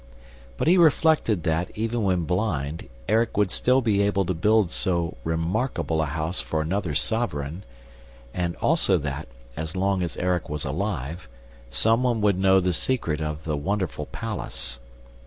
But he reflected that, even when blind, Erik would still be able to build so remarkable a house for another sovereign; and also that, as long as Erik was alive, some one would know the secret of the wonderful palace.